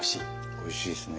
おいしいですね。